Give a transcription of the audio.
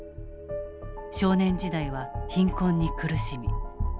少年時代は貧困に苦しみ